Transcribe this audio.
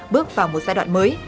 bước vào một giai đoạn mới